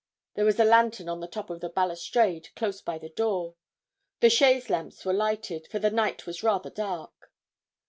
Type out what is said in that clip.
There was a lantern on the top of the balustrade, close by the door. The chaise lamps were lighted, for the night was rather dark.